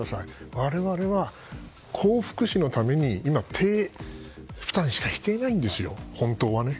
我々は高福祉のために今、低負担しかしていないんですよ。